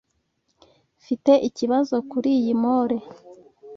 Mfite ikibazo kuriyi mole.